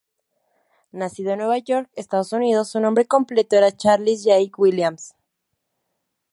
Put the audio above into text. Nacido en Nueva York, Estados Unidos, su nombre completo era Charles Jay Williams.